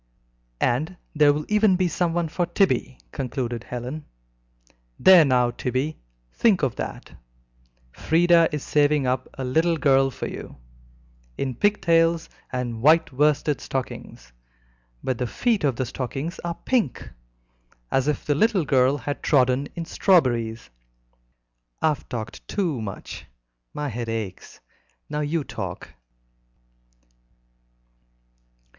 "And there will even be someone for Tibby," concluded Helen. "There now, Tibby, think of that; Frieda is saving up a little girl for you, in pig tails and white worsted stockings, but the feet of the stockings are pink, as if the little girl had trodden in strawberries. I've talked too much. My head aches. Now you talk."